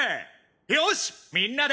よしみんなで。